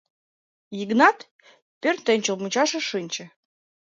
Йыгнат пӧртӧнчыл мучашыш шинче.